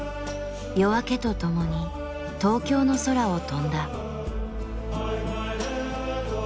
夜明けとともに東京の空を飛んだ。